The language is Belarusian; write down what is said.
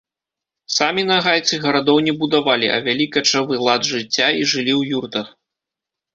Самі нагайцы гарадоў не будавалі, а вялі качавы лад жыцця і жылі ў юртах.